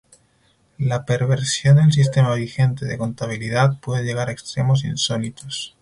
La perversión del sistema vigente de contabilidad puede llegar a extremos insólitos.